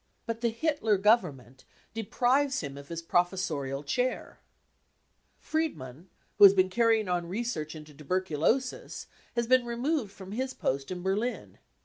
But the Hitler Government deprives him of his professorial chair ! Friedmann, who has been carrying on research into ! tuberculosis, has been removed from his post in Berlin.